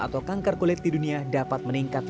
atau kanker kulit di dunia dapat meningkat